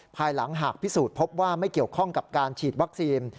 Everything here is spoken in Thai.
ภายหลังหากพิสูจน์พบว่าไม่เกี่ยวข้องกับการฉีดวัคซีน